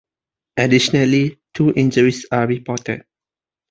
Additionally, two injuries were reported.